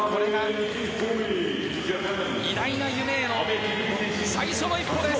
偉大な夢への最初の一歩です！